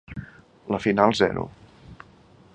La final zero.